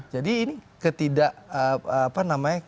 jadi ini ketidak apa namanya